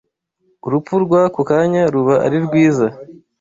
Urupfu rw’Ako Kanya ruba ari rwiza